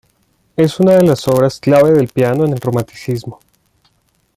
Es una de las obras clave del piano en el Romanticismo.